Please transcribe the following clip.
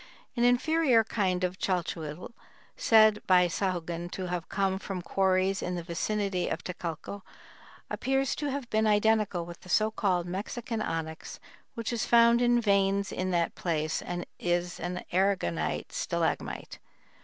An inferior kind of chalchihuitl, said by Sahagun to have come from quarries in the vicinity of Tecalco, appears to have been identical with the so called "Mexican onyx" which is found in veins in that place and is an aragonite stalagmite.